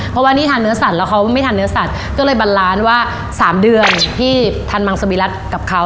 เพราะว่านี่ทานเนื้อสัตว์แล้วเขาไม่ทานเนื้อสัตว์ก็เลยบันล้านว่า๓เดือนที่ทานมังสวิรัติกับเขา